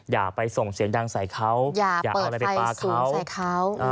อย่าไปส่งเสียงดังใส่เขาอย่าเปิดไฟสูงใส่เขา